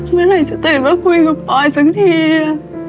เมื่อไหร่จะตื่นมาคุยกับปอยสักที